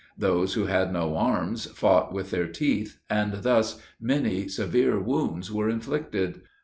Those who had no arms, fought with their teeth, and thus many severe wounds were inflicted.